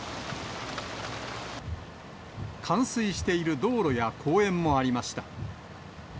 冠水している道路や公園もありました。